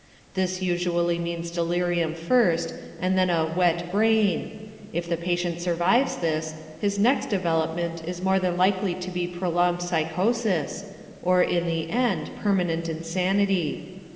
This usually means delirium first and then a "wet brain"; if the patient survives this, his next development is more than likely to be prolonged psychosis, or, in the end, permanent insanity.